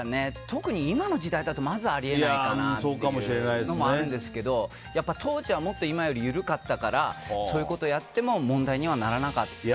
特に今の時代だとまずあり得ないかなっていうのもあるんですけどやっぱり当時はもっと今より緩かったからそういうことをやっても問題にはならなかった。